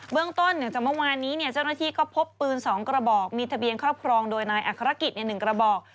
เรื่องต้นหลังจากเมื่อวานนี้เจ้าหน้าที่ก็พบปืน๒กระบอกมีทะเบียนครอบครองโดยนายอัครกิจ๑กระบอก